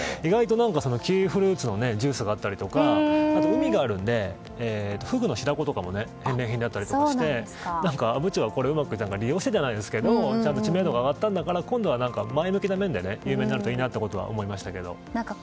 キウイフルーツのジュースがあったりとかあと、海があるのでフグの白子が返礼品であったりして阿武町はこれをうまく利用してじゃないですが知名度が上がったんだから今度は前向きな面で有名になるといいなと思いましたけど。